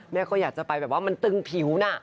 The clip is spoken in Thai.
แม่ก็อยากจะไปแบบว่ามันตึงผิวนะ